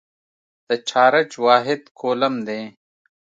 د چارج واحد کولم دی.